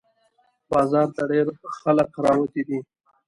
بازار ته ډېر خلق راوتي دي